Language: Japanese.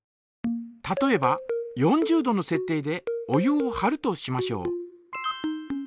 例えば４０度のせっ定でお湯をはるとしましょう。